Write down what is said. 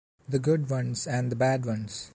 The good ones and the bad ones.